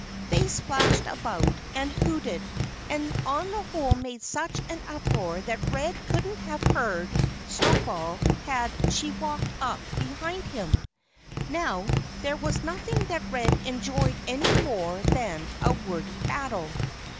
They splashed about, and hooted, and on the whole made such an uproar that Red couldn't have heard the Muley Cow had she walked up behind him. Now, there was nothing that Red enjoyed any more than a wordy battle.